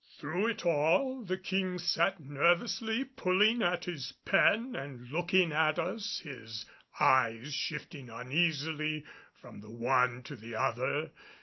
Through it all the King sat nervously pulling at his pen and looking at us, his eyes shifting uneasily from the one to the other.